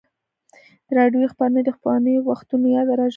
د راډیو خپرونې د پخوانیو وختونو یاد راژوندی کوي.